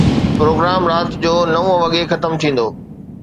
Programme رات جو نو وڳي ختم ٿيندو.